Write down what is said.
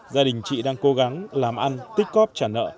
gia đình chị đang cố gắng làm ăn tích cóp trả nợ